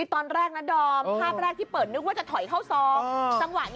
ตอนแรกน่ะโดมอืมภาพแรกที่เปิดนึกว่าจะถอยเข้าซอง